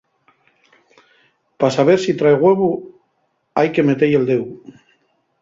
Pa saber si trai güevu, hai que mete-y el deu.